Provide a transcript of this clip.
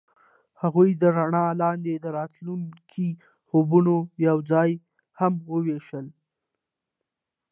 هغوی د رڼا لاندې د راتلونکي خوبونه یوځای هم وویشل.